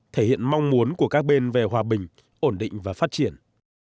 thể hiện mong muốn của các bên về hòa bình ổn định và phát triển